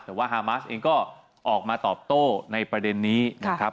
แต่ว่าฮามาสเองก็ออกมาตอบโต้ในประเด็นนี้นะครับ